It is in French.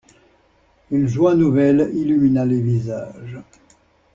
Une joie nouvelle illumina les visages.